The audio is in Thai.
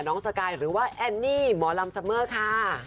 สกายหรือว่าแอนนี่หมอลำซัมเมอร์ค่ะ